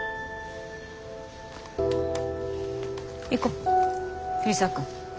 行こ藤沢君。